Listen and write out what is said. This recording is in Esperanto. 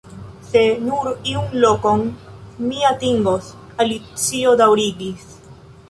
"Se nur iun lokon mi atingos," Alicio daŭrigis.